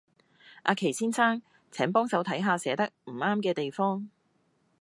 阿祁先生，請幫手睇下寫得唔啱嘅地方